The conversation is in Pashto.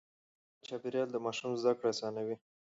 فعال چاپېريال د ماشوم زده کړه آسانوي.